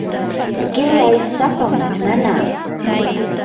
qillay sapam nanaa.